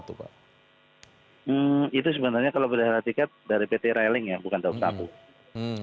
itu sebenarnya kalau berada di ticket dari pt railing ya bukan dawab satu